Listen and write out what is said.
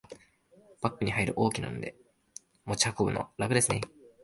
バッグに入る大きさなので持ち運びは楽ですね